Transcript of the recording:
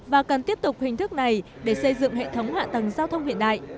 và cần tiếp tục hình thức này để xây dựng hệ thống hạ tầng giao thông hiện đại